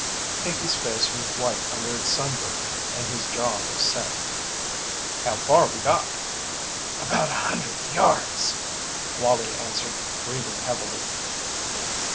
Pinkey's face was white under its sunburn and his jaw was set. "How far we got?" "About a hundred yards," Wallie answered, breathing heavily.